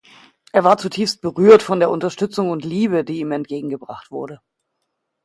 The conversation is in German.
Er war zutiefst berührt von der Unterstützung und Liebe, die ihm entgegengebracht wurde.